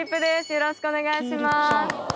よろしくお願いします。